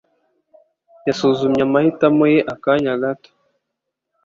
yasuzumye amahitamo ye akanya gato.